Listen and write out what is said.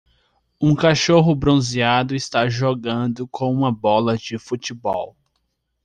Um cachorro bronzeado está jogando com uma bola de futebol